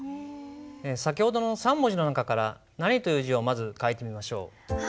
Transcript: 先ほどの３文字の中から「何」という字を書いてみましょう。